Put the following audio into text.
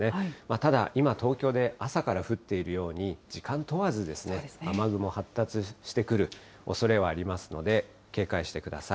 ただ、今、東京で朝から降っているように、時間問わず、雨雲発達してくるおそれはありますので、警戒してください。